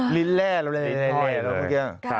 หลีดแร่หลีดอ้อย